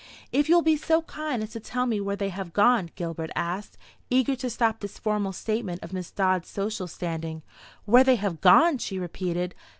"If you will be so kind as to tell me where they have gone?" Gilbert asked, eager to stop this formal statement of Miss Dodd's social standing. "Where they have gone!" she repeated.